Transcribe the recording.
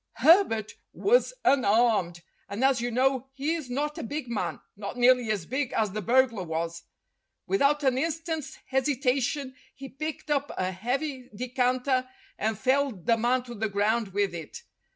Herbert was un armed, and, as you know, he is not a big man, not nearly as big as the burglar was. Without an instant's hesitation he picked up a heavy decanter and felled the man to the ground with it.